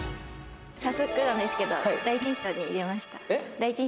早速なんですけど第一印象に入れました。